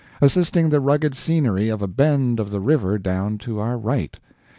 assisting the rugged scenery of a bend of the river down to our right.